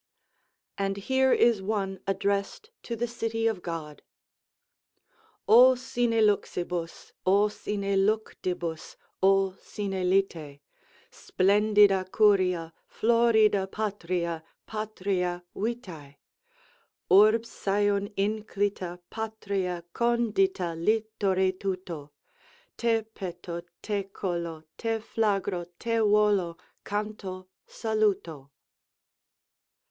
'" And here is one addressed to the City of God: "O sine luxibus, O sine luctibus, O sine lite, Splendida curia, florida patria, patria vitæ. Urbs Syon inclita, patria condita littore tuto, Te peto, te colo, te flagro, te volo, canto, saluto."